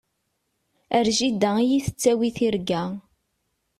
Ar jida i yi-tettawi tirga.